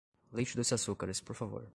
Leite e dois açucares, por favor.